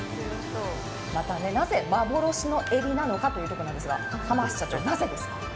また、なぜ幻のえびなのかというところですが、なぜですか？